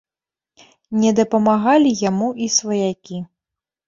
Не дапамаглі яму і сваякі.